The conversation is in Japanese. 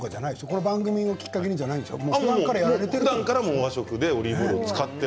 この番組をきっかけにじゃないですよね。